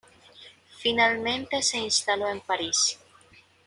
Finalmente se instaló en París.